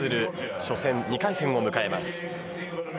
初戦２回戦を迎えます。